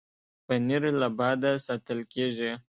پنېر له باده ساتل کېږي.